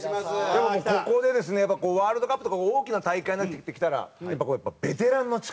ここでですねワールドカップとか大きな大会になってきたらやっぱこうベテランの力。